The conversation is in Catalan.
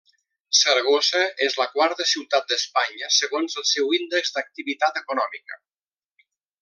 Saragossa és la quarta ciutat d'Espanya segons el seu Índex d'Activitat Econòmica.